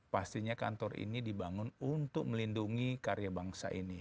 pastinya kantor ini dibangun untuk melindungi karya bangsa ini